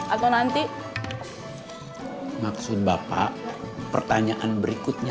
atau nanti maksud bapak pertanyaan berikutnya